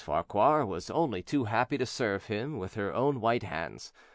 Farquhar was only too happy to serve him with her own white hands.